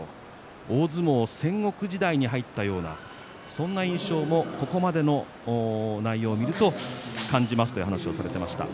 大相撲戦国時代に入ったようなそんな印象をここまでの内容を見ると感じますという話をしていました。